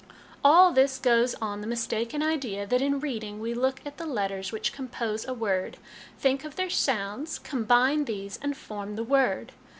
All this goes on the mistaken idea that in reading we look at the letters which compose a word, think of their sounds, combine these, and form the word.